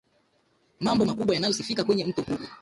mambo makubwa yanayo sifika kwenye mto huu